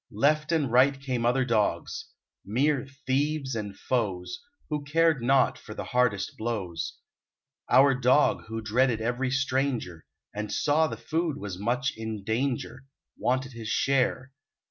Left and right Came other dogs, mere thieves and foes, Who cared not for the hardest blows. Our Dog, who dreaded every stranger, And saw the food was much in danger, Wanted his share.